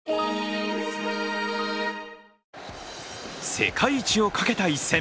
世界一をかけた一戦。